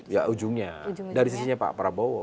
ya ujungnya dari sisinya pak prabowo